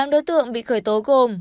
tám đối tượng bị khởi tố gồm